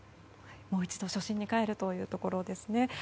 もう一度初心に帰るということですね。